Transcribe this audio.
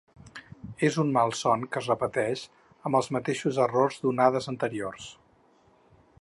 És un malson que es repeteix, amb els mateixos errors d’onades anteriors.